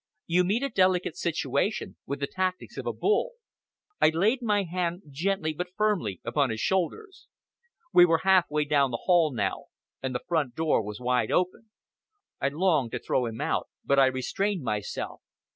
You meet a delicate situation with the tactics of a bull!" I laid my hand gently, but firmly upon his shoulder. We were half way down the hall now, and the front door was wide open. I longed to throw him out, but I restrained myself.